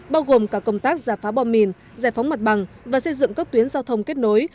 bao gồm cả công tác giả phá bom mìn giải phóng mặt bằng và xây dựng các tuyến giao thông kết nối